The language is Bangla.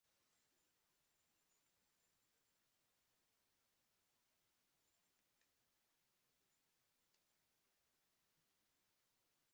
মান্দালয় বার্মার অর্থনৈতিক কেন্দ্র এবং বার্মিজ সংস্কৃতির কেন্দ্র হিসেবে বিবেচিত।